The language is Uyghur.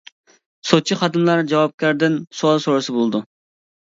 سوتچى خادىملار جاۋابكاردىن سوئال سورىسا بولىدۇ.